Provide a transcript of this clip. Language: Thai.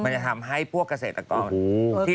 ใช่ลูกเห็บ